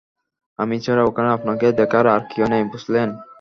আমি ছাড়া ওখানে আপনাকে দেখার আর কেউ নেই, বুঝলেন?